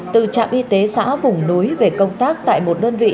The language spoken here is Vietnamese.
từ trạm y tế xã vùng núi về công tác tại một đơn vị